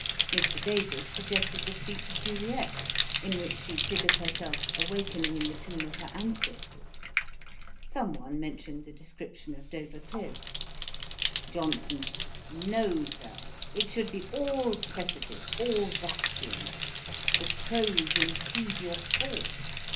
Mr. Davies suggested the speech of Juliet, in which she figures herself awaking in the tomb of her ancestors. Some one mentioned the description of Dover Cliff. JOHNSON. 'No, Sir; it should be all precipice, all vacuum. The crows impede your fall.